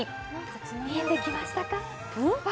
見えてきましたか？